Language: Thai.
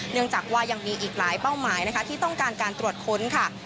เนื่องจากว่ายังมีอีกหลายเป้าหมายนะคะที่ต้องการการตรวจค้นค่ะ